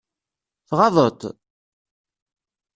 Tɣaḍeḍ-t?